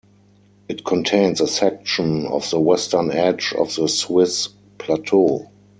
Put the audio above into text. It contains a section of the western edge of the Swiss Plateau.